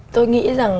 tôi nghĩ rằng